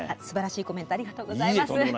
すばらしいコメントありがとうございます。